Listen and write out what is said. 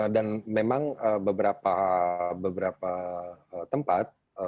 dan memang beberapa tempat